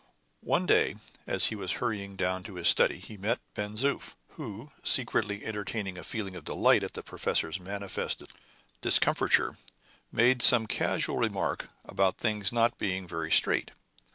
One day, as he was hurrying down to his study, he met Ben Zoof, who, secretly entertaining a feeling of delight at the professor's manifest discomfiture, made some casual remark about things not being very straight.